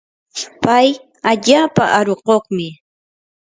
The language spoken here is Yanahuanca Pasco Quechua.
pay allaapa arukuqmi.